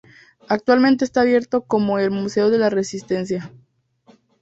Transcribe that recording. Actualmente está abierto como el "museo de la resistencia".